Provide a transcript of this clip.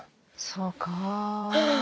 そうかぁ。